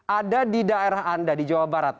ada di daerah anda di jawa barat